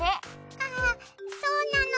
あそうなの。